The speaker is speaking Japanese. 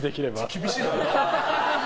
厳しいな。